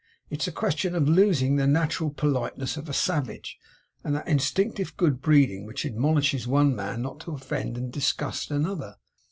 It's a question of losing the natural politeness of a savage, and that instinctive good breeding which admonishes one man not to offend and disgust another.